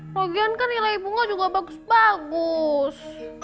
pogian kan nilai bunga juga bagus bagus